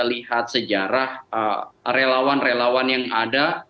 lihat sejarah relawan relawan yang ada